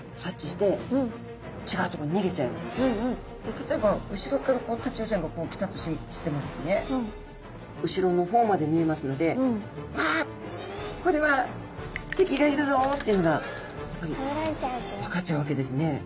例えば後ろからタチウオちゃんがこう来たとしてもですね後ろの方まで見えますので「わこれは敵がいるぞ！」っていうのがやっぱり分かっちゃうわけですね。